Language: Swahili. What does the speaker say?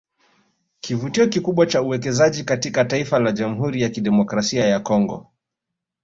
Kivutio kikubwa cha uwekezaji katika taifa la Jamhuri ya kidemokrasia ya Congo